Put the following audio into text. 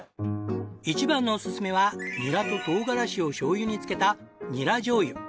一番のおすすめはニラと唐辛子をしょうゆに漬けたニラじょうゆ。